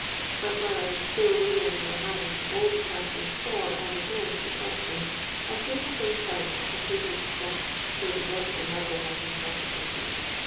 But while I was still weighing in my mind all the chances for and against detection, I came within sight of the fatal spot where the dreadful murder had been perpetrated.